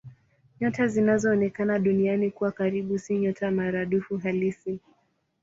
Nyota zinazoonekana Duniani kuwa karibu si nyota maradufu halisi.